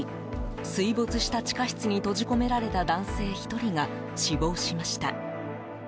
水没した地下室に閉じ込められた男性１人が死亡しました。